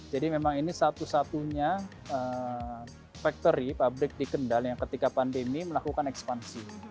jadi memang ini satu satunya factory pabrik di kendal yang ketika pandemi melakukan ekspansi